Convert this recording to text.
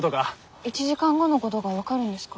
１時間後のごどが分かるんですか？